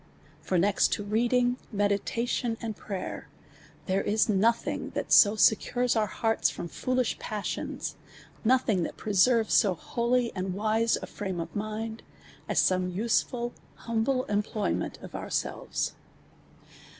For next to reading, meditation, and prayer, there is nothing that so secures pur hearts from foolish pas sions, nothing that preserves so holy and wise a frame of mind, as some useful, humble, employment of our selves.